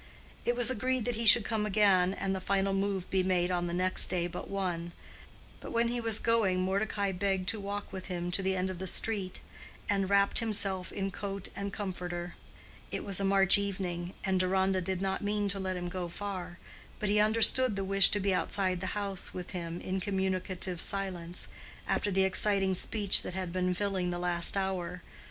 It was agreed that he should come again and the final move be made on the next day but one; but when he was going Mordecai begged to walk with him to the end of the street, and wrapped himself in coat and comforter. It was a March evening, and Deronda did not mean to let him go far, but he understood the wish to be outside the house with him in communicative silence, after the exciting speech that had been filling the last hour.